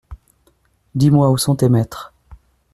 Dis-moi, où sont tes maîtres ?